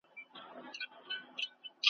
له پردیو به څه ژاړم له خپل قامه ګیله من یم `